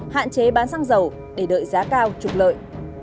hạn chế bán xăng dầu để đợi giá cao trục lợi